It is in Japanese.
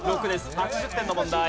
８０点の問題。